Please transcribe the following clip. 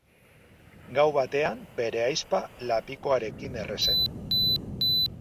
Gau batean, bere ahizpa lapikoarekin erre zen.